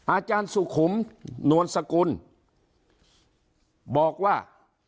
อาจารย์สุขุมนวลสกุลบอกว่า